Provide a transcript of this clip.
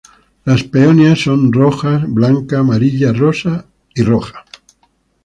Las peonías son rojo, blanco, amarillo, rosa y rojo.